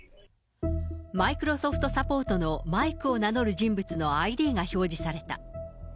マイクロソフトサポートのマイクを名乗る人物のＩＤが表示された。